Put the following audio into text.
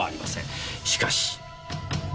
しかし。